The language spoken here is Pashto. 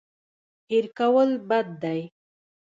هېر کول بد دی.